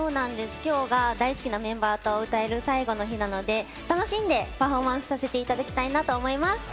きょうが、大好きなメンバーと歌える最後の日なので、楽しんでパフォーマンスさせていただきたいなと思います。